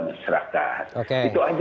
masyarakat itu saja